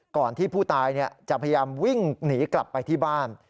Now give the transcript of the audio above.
ก่อนที่ผู้ตายจะพยายามวิ่งหนีกลับไปที่บ้าน